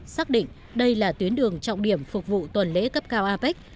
xác định đây là tuyến đường trọng điểm phục vụ tuần lễ cấp cao apec